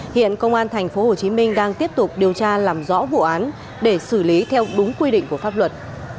hiện công an tp hcm đang tiếp tục điều tra làm rõ vụ án để xử lý theo đúng quy định của pháp luật